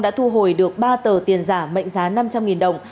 đã thu hồi được ba tờ tiền giả mệnh giá năm trăm linh đồng